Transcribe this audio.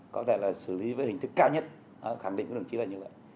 có thể là xử lý với hình thức cao nhất khẳng định của đồng chí là như vậy